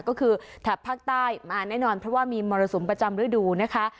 ก็คือแถบภาคใต้มาแน่นอนเพราะว่ามีมรสุมประจำฤดูนะคะ